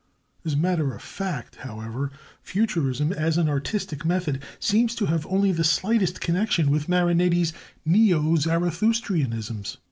As a matter of fact, however, Futurism as an artistic method seems to have only the slightest connection with Marinetti's neo Zarathustraisms.